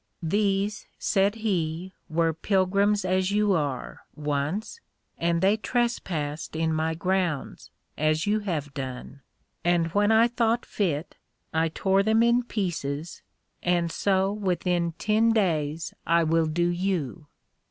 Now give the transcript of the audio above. These, said he, were Pilgrims as you are, once, and they trespassed in my grounds, as you have done; and when I thought fit, I tore them in pieces, and so within ten days I will do you.